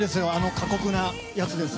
過酷なやつです。